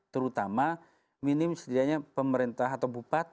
terutama minim setidaknya pemerintah atau bupati